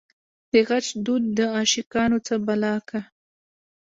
دغچ دود دعاشقانو څه بلا کا